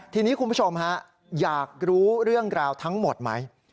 ทีนี้คุณผู้ชมฮะอยากรู้เรื่องราวทั้งหมดไหม